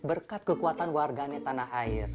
berkat kekuatan warganet tanah air